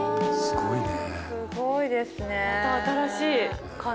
すごいですね。